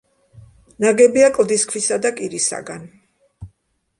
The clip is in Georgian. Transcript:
ნაგებია კლდის ქვისა და კირისაგან.